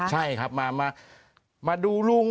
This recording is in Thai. ใช่ครับมาดูลุง